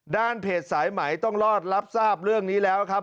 เพจสายไหมต้องรอดรับทราบเรื่องนี้แล้วครับ